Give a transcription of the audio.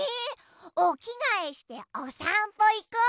おきがえしておさんぽいこうよ。